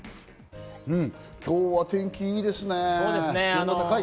今日は天気いいですね。